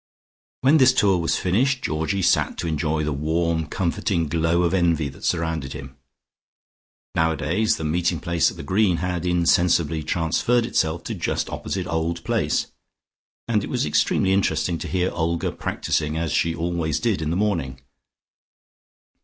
When this tour was finished Georgie sat to enjoy the warm comforting glow of envy that surrounded him. Nowadays the meeting place at the Green had insensibly transferred itself to just opposite Old Place, and it was extremely interesting to hear Olga practising as she always did in the morning.